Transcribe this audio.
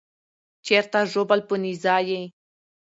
چیرته ژوبل په نېزه یې